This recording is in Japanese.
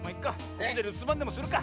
ここでるすばんでもするか！